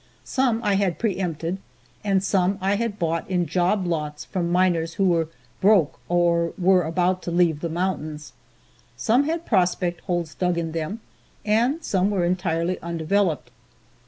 Some I had pre empted, and some I had bought in job lots from miners who were "broke" or were about to leave the mountains. Some had prospect holes dug in them and some were entirely undeveloped.